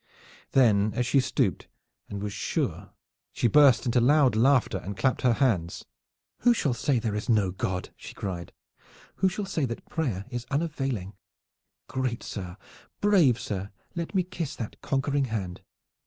Then as she stooped and was sure she burst into loud laughter and clapped her hands. "Who shall say there is no God?" she cried. "Who shall say that prayer is unavailing? Great sir, brave sir, let me kiss that conquering hand!"